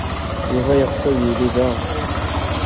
Yuba yeɣs ad yili da.